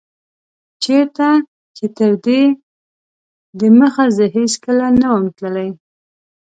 چيرته چي تر دي دمخه زه هيڅکله نه وم تللی